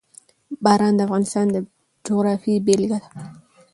باران د افغانستان د جغرافیې بېلګه ده.